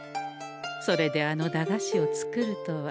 それであの駄菓子を作るとは。